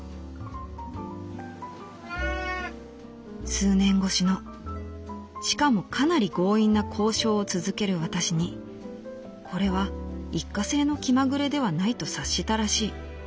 「数年越しのしかもかなり強引な交渉を続ける私にこれは一過性の気まぐれではないと察したらしい。